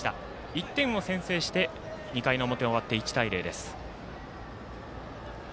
１点を先制して２回の表終わって、１対０です。